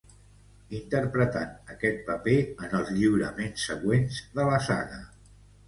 Interpretant este paper en els lliuraments següents de la saga.